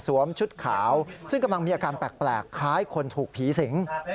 ชุดขาวซึ่งกำลังมีอาการแปลกคล้ายคนถูกผีสิง